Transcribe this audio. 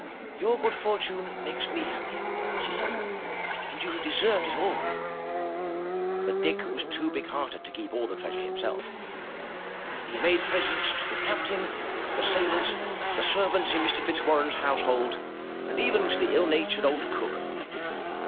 "Your good fortune makes me happy," she said, "and you have deserved it all!" But Dick was too big hearted to keep all the treas ure himself. He made presents to the captain, the 340 UP ONE PAIR OF STAIRS sailors, the servants in Mr. Fitzwarren's household, and even to the ill natured old cook.